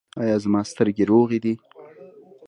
ایا زما سترګې روغې دي؟